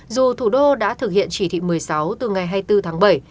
dù thủ đô đã thực hiện chỉ thị một mươi sáu từ ngày hai mươi bốn tháng bảy